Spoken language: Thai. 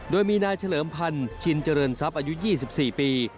โดยมีนายเฉลิมพันธ์ชินเจริญทรัพย์อายุ๒๔ปี